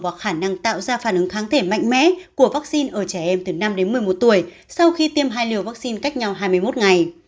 và khả năng tạo ra phản ứng kháng thể mạnh mẽ của vaccine ở trẻ em từ năm đến một mươi một tuổi sau khi tiêm hai liều vaccine cách nhau hai mươi một ngày